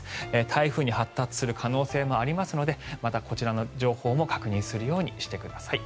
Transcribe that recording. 台風に発達する可能性もありますのでまた、こちらの情報も確認するようにしてください。